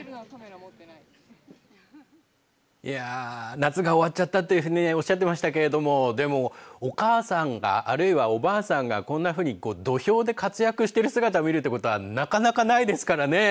夏が終わっちゃったっておっしゃってましたがでもお母さんが、あるいはおばあさんがこんなふうに土俵で活躍姿を見るということはなかなかないですからね。